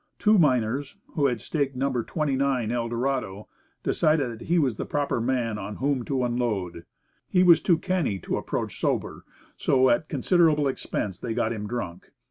Two miners, who had staked No. 29 Eldorado, decided that he was the proper man upon whom to "unload." He was too canny to approach sober, so at considerable expense they got him drunk.